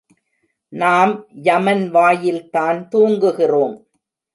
நாம் யமன் வாயில்தான் தூங்குகிறோம்.